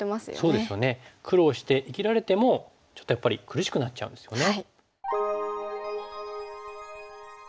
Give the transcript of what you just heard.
そうですよね苦労して生きられてもちょっとやっぱり苦しくなっちゃうんですよね。